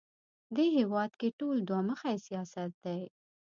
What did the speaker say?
دې هېواد کې ټول دوه مخی سیاست دی